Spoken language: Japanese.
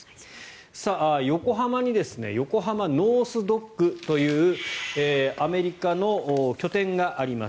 横浜に横浜ノース・ドックというアメリカの拠点があります。